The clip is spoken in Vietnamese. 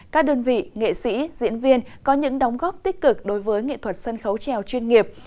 các đơn vị nghệ sĩ diễn viên có những đóng góp tích cực đối với nghệ thuật sân khấu trèo chuyên nghiệp